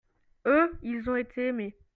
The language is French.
eux, ils ont été aimé.